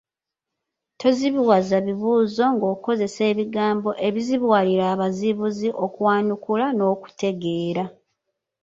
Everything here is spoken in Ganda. Tozibuwaza bibuuzo ng’okozesa ebigambo ebizibuwalira abazibuzi okwanukula n’okutegeera.